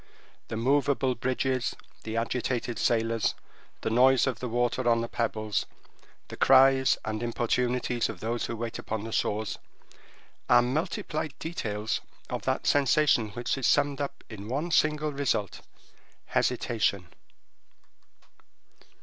The moveable bridges, the agitated sailors, the noise of the water on the pebbles, the cries and importunities of those who wait upon the shores, are multiplied details of that sensation which is summed up in one single result—hesitation.